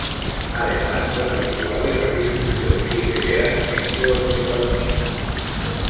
Además, son habituales las discusiones y peleas entre los protagonistas.